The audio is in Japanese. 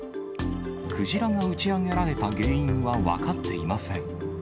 クジラが打ち上げられた原因は分かっていません。